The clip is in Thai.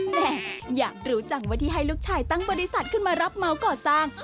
แม่อยากรู้จังว่าที่ให้ลูกชายตั้งบริษัทขึ้นมารับเมาก่อสร้าง